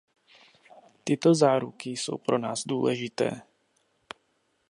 Tyto záruky jsou pro nás důležité.